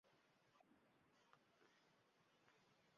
Reside actualmente en la Ciudad de la Costa, Departamento de Canelones.